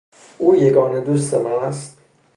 او یگانه دوست من است.